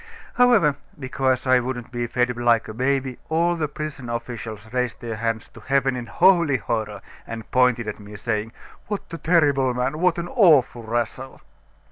However, because I wouldn't be fed like a baby, all the prison officials raised their hands to heaven in holy horror, and pointed at me, saying: 'What a terrible man! What an awful rascal!